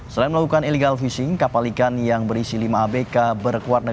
selain melakukan illegal fishing kapal ikan yang berisi lima abk berwarna